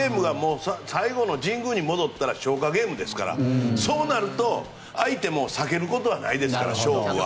最後の神宮に戻ったら消化ゲームですからそうなると、相手も避けることはないですから勝負は。